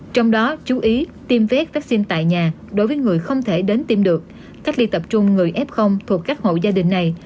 trong đó chú ý tiêm phép vaccine tại nhà đối với người không thể đến tiêm được cách ly tập trung người f thuộc các hộ gia đình này